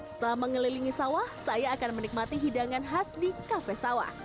setelah mengelilingi sawah saya akan menikmati hidangan khas di kafe sawah